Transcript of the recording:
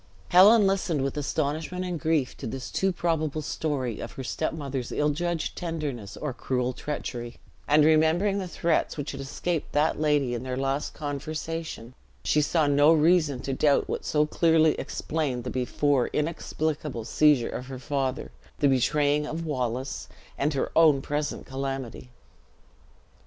Helen listened with astonishment and grief to this too probable story of her step mother's ill judged tenderness or cruel treachery; and remembering the threats which had escaped that lady in their last conversation, she saw no reason to doubt what so clearly explained the before inexplicable seizure of her father, the betraying of Wallace, and her own present calamity.